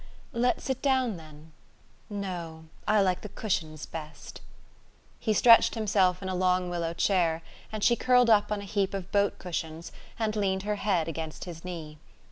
"Let's sit down, then. No, I like the cushions best." He stretched himself in a long willow chair, and she curled up on a heap of boat cushions and leaned her head against his knee.